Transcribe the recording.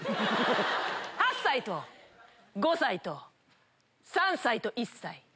８歳と５歳と３歳と１歳。